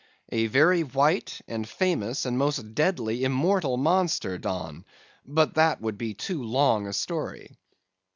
"'A very white, and famous, and most deadly immortal monster, Don;—but that would be too long a story.